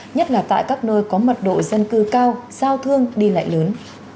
nhất là tại các nơi có mật độ dân cư cao giao thương đi lại lớn